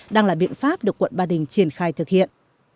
đang là biện pháp được quận ba đình triển khai thực hiện